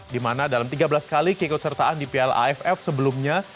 di mana dalam tiga belas kali keikutsertaan di piala aff sebelumnya